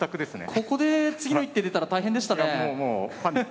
ここで次の一手出たら大変でしたね。